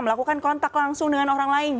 melakukan kontak langsung dengan orang lain